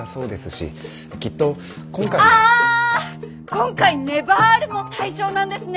今回ネヴァールも対象なんですね。